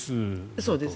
そうです。